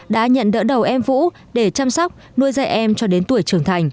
đã nhận đỡ đầu em vũ để chăm sóc nuôi dạy em cho đến tuổi trưởng thành